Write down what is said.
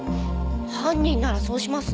犯人ならそうしますね。